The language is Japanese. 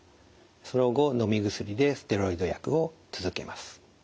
その後のみ薬でステロイド薬を続けます。